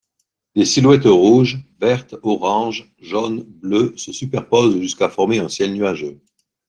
Des silhouettes rouges, vertes, orange, jaunes, bleues se superposent jusqu'à former un ciel nuageux.